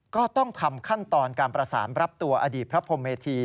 ก็ต้องทำขั้นตอนการประสานรับตัวอดีตพระพรมเมธี